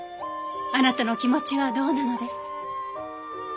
あなたの気持ちはどうなのです？